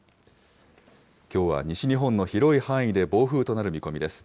きょうは西日本の広い範囲で暴風となる見込みです。